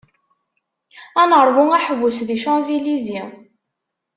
Ad neṛwu aḥewwes di Champs-Elysées.